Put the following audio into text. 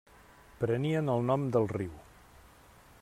Prenien el nom del riu.